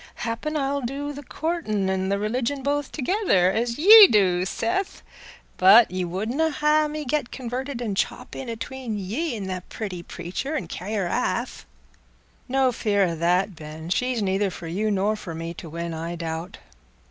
Happen I shall do the coortin' an' the religion both together, as ye do, Seth; but ye wouldna ha' me get converted an' chop in atween ye an' the pretty preacher, an' carry her aff?" "No fear o' that, Ben; she's neither for you nor for me to win, I doubt.